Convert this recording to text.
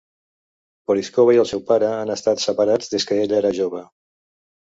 Porizkova i el seu pare han estat separats des que ella era jove.